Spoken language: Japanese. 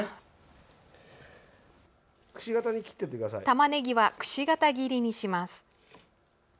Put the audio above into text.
たまねぎはくし形切りにします。